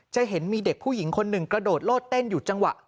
จะเห็นมีเด็กผู้หญิงคนหนึ่งกระโดดโลดเต้นอยู่จังหวะ